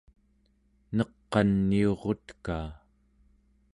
neq'aniurutkaa